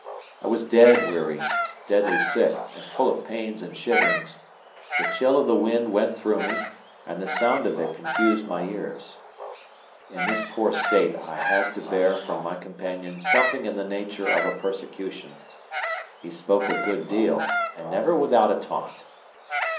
I was dead weary, deadly sick and full of pains and shiverings; the chill of the wind went through me, and the sound of it confused my ears. In this poor state I had to bear from my companion something in the nature of a persecution. He spoke a good deal, and never without a taunt.